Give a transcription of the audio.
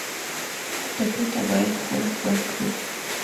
ټپي ته باید خوراک ورکړو.